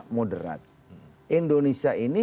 moderat indonesia ini